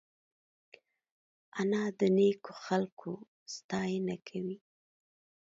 انا د نیکو خلکو ستاینه کوي